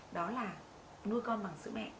đó là nuôi con bằng sữa mẹ